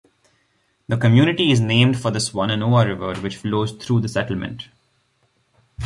The community is named for the Swannanoa River, which flows through the settlement.